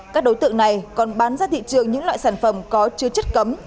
các đối tượng này còn bán ra thị trường những loại sản phẩm có chứa chất cấm